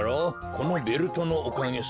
このベルトのおかげさ。